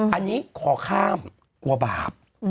อันนี้ขอข้ามกลัวบาป